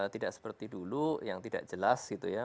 tidak seperti dulu yang tidak jelas gitu ya